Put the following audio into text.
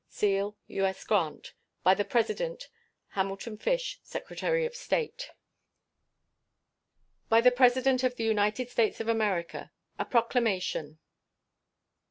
[SEAL.] U.S. GRANT. By the President: HAMILTON FISH, Secretary of State. BY THE PRESIDENT OF THE UNITED STATES OF AMERICA. A PROCLAMATION.